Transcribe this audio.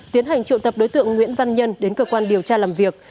tiến hành triệu tập đối tượng nguyễn văn nhân đến cơ quan điều tra làm việc